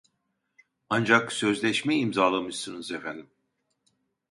Ancak sözleşme imzalamışsınız efendim